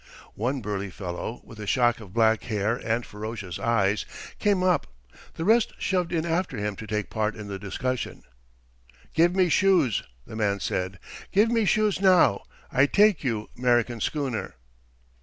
One burly fellow, with a shock of black hair and ferocious eyes, came up. The rest shoved in after him to take part in the discussion. "Give me shoes," the man said. "Give me shoes now. I take you 'Merican schooner."